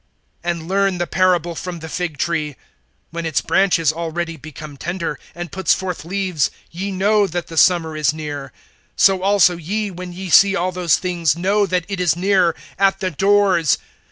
(32)And learn the parable from the fig tree: When its branch is already become tender, and puts forth leaves, ye know that the summer is near. (33)So also ye, when ye see all these things, know that it is near, at the doors.